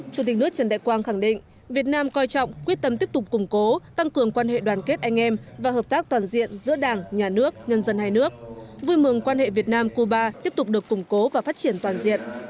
chủ tịch nước trần đại quang khẳng định việt nam coi trọng quyết tâm tiếp tục củng cố tăng cường quan hệ đoàn kết anh em và hợp tác toàn diện giữa đảng nhà nước nhân dân hai nước vui mừng quan hệ việt nam cuba tiếp tục được củng cố và phát triển toàn diện